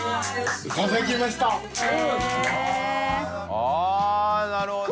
あぁなるほど。